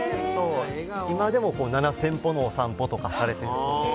今でも７０００歩のお散歩とかされてるそうです。